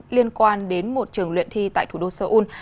liên quan đến một trường luyện thi tại thủ đô seoul